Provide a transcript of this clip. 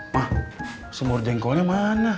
mah semur jengkolnya mana